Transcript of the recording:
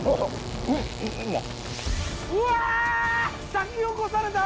先を越された！